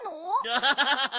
ハハハハハ。